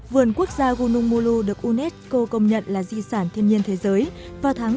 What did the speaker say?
vườn quốc gia gunung mulu được unesco công nhận là di sản thiên nhiên thế giới vào tháng một mươi một năm hai nghìn